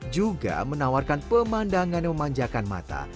juga menawarkan pemandangan yang memanjakan mata